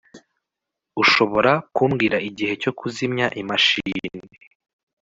Urashobora kumbwira igihe cyo kuzimya imashini